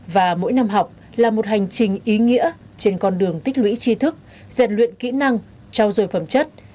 và mỗi năm học là một hành trình ý nghĩa trên con đường tích lũy chi thức rèn luyện kỹ năng trao dồi phẩm chất